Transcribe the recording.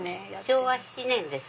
昭和７年です。